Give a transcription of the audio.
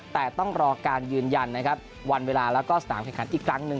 แต่ต้องรอการยืนยันนะครับวันเวลาแล้วก็สนามแข่งขันอีกครั้งหนึ่ง